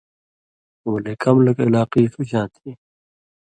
ولے کم لک علاقی ݜُو شان تھی